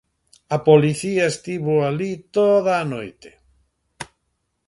A policía estivo alí toda a noite.